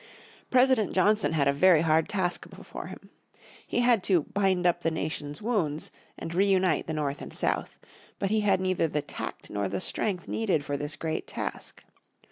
President Johnson had a very hard task before him. He had "to bind up the nation's wounds" and re unite the North and South. But he had neither the tact nor the strength needed for this great task.